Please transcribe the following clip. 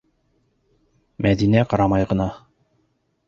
Мәҙинәгә ҡарамай ғына: